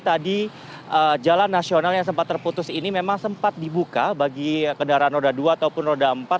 tadi jalan nasional yang sempat terputus ini memang sempat dibuka bagi kendaraan roda dua ataupun roda empat